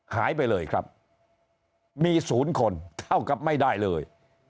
หายไปเลยครับมีศูนย์คนเท่ากับไม่ได้เลย